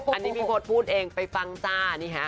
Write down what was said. อันนี้พี่พศพูดเองไปฟังจ้านี่ฮะ